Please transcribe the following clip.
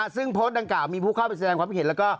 ซึ่งโพสต์ดังกล่าวมีผู้เข้าไปแสดงความคิดเห็นแล้วก็